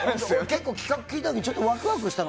結構企画聞いた時結構ワクワクしたの。